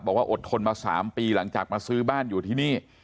อดทนมา๓ปีหลังจากมาซื้อบ้านอยู่ที่นี่